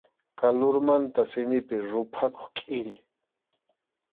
Kalurmanta simipi ruphakuq kʼiri.